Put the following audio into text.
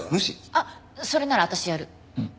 あっそれなら私やる。